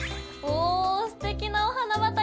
おおすてきなお花畑！